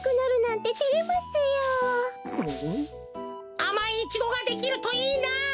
あまいイチゴができるといいな。